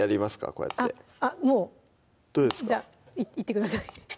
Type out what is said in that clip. こうやってあっもうじゃあいってください